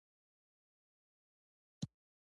مهرباني وکړه د دې شیبې سپیڅلتیا مه خرابوه